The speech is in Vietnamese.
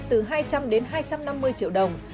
từ hai trăm linh đến hai trăm năm mươi triệu đồng